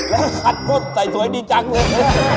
แล้วคัดกดใส่สวยดีจังเลย